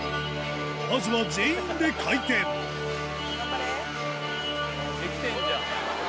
まずは全員で回転できてるじゃん！